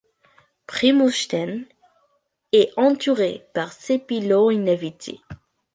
Primošten est entouré par sept îlots inhabités.